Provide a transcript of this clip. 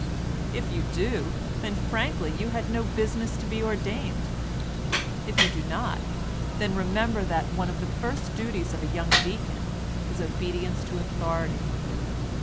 If you do—then, frankly, you had no business to be ordained; if you do not, then remember that one of the first duties of a young deacon is obedience to authority.